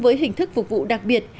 với hình thức phục vụ đặc biệt